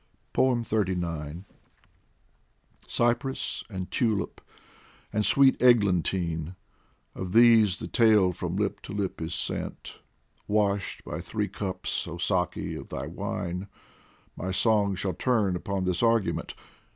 xxxix CYPRESS and Tulip and sweet Eglantine, Of these the tale from lip to lip is sent ; Washed by three cups, oh Saki, of thy wine, My song shall turn upon this argument.